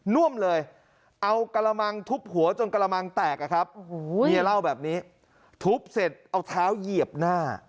่วมเลยเอากระมังทุบหัวจนกระมังแตกอะครับเมียเล่าแบบนี้ทุบเสร็จเอาเท้าเหยียบหน้า